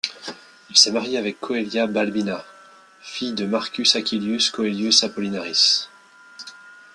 Il s'est marié avec Coelia Balbina, fille de Marcus Aquilius Coelius Apollinaris.